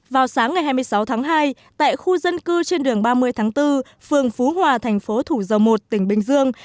vào sáng ngày hai mươi sáu tháng hai tại khu dân cư trên đường ba mươi tháng bốn phường phú hòa thành phố thủ dầu một tỉnh bình dương